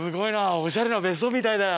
おしゃれな別荘みたいだよ！